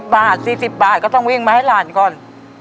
บาท๔๐บาทก็ต้องวิ่งมาให้หลานก่อน